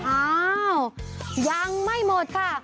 อ้าวยังไม่หมดค่ะ